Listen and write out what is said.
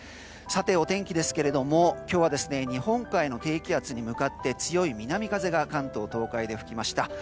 さて、お天気ですけれども今日は日本海の低気圧に向かって強い南風が関東・東海で吹きました。